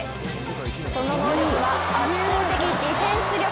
その能力は圧倒的ディフェンス力。